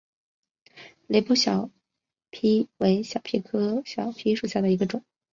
雷波小檗为小檗科小檗属下的一个种。